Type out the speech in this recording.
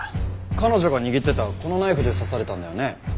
彼女が握ってたこのナイフで刺されたんだよね？